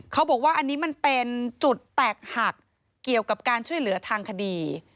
เขาบอกว่าอันนี้มันเป็นจุดแตกหักเกี่ยวกับการช่วยเหลือทางคดี